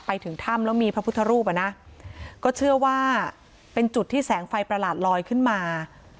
ไปถึงถ้ำแล้วมีพระพุทธรูปอ่ะนะก็เชื่อว่าเป็นจุดที่แสงไฟประหลาดลอยขึ้นมา